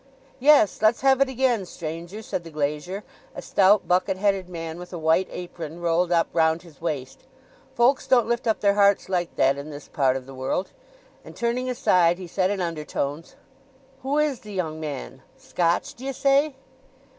"Yes. Let's have it again, stranger," said the glazier, a stout, bucket headed man, with a white apron rolled up round his waist. "Folks don't lift up their hearts like that in this part of the world." And turning aside, he said in undertones, "Who is the young man?—Scotch, d'ye say?"